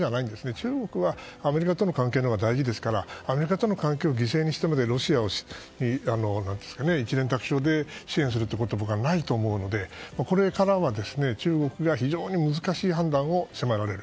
中国はアメリカとの関係のほうが大事ですからアメリカとの関係を犠牲にしてまでロシアを一蓮托生で支援するということは僕はないと思うのでこれからは中国が非常に難しい判断を迫られる。